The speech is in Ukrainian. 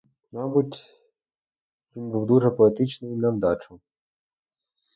Мабуть, він був дуже поетичний на вдачу.